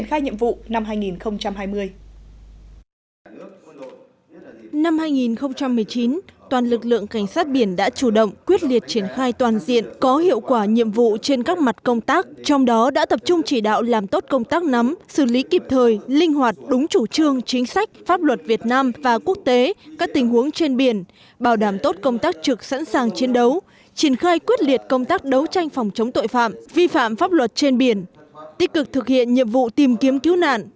trong năm hai nghìn một mươi chín toàn lực lượng cảnh sát biển đã chủ động quyết liệt triển khai toàn diện có hiệu quả nhiệm vụ trên các mặt công tác trong đó đã tập trung chỉ đạo làm tốt công tác nắm xử lý kịp thời linh hoạt đúng chủ trương chính sách pháp luật việt nam và quốc tế các tình huống trên biển bảo đảm tốt công tác trực sẵn sàng chiến đấu triển khai quyết liệt công tác đấu tranh phòng chống tội phạm vi phạm pháp luật trên biển tích cực thực hiện nhiệm vụ tìm kiếm cứu nạn